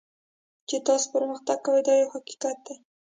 چې تاسو پرمختګ کوئ دا یو حقیقت دی.